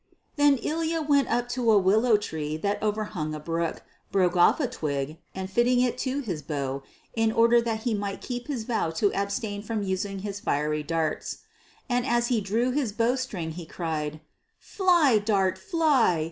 Then Ilya went up to a willow tree that overhung a brook, broke off a twig, and fitted it to his bow, in order that he might keep his vow to abstain from using his fiery darts. And as he drew his bow string he cried, "Fly, dart, fly!